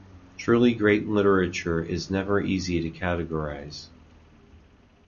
Truly great literature is never easy to categorize.